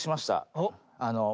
おっ？